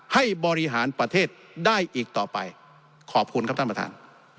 ให้บริหารประเทศได้อีกต่อไปขอบคุณครับท่านประธาน